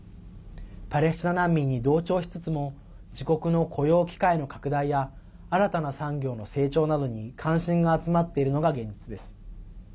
パレスチナ難民に同調しつつも自国の雇用機会の拡大や新たな産業の成長などに関心が集まっているのが現実です。